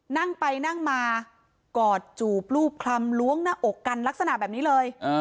นั่งไปนั่งมากอดจูบรูปคลำล้วงหน้าอกกันลักษณะแบบนี้เลย